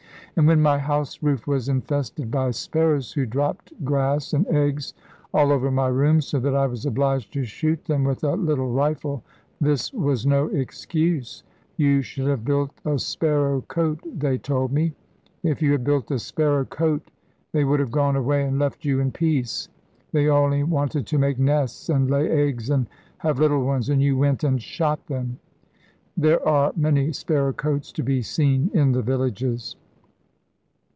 And when my house roof was infested by sparrows, who dropped grass and eggs all over my rooms, so that I was obliged to shoot them with a little rifle, this was no excuse. 'You should have built a sparrow cote,' they told me. 'If you had built a sparrow cote, they would have gone away and left you in peace. They only wanted to make nests and lay eggs and have little ones, and you went and shot them.' There are many sparrow cotes to be seen in the villages.